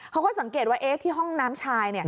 เขาก็สังเกตว่าที่ห้องน้ำชาย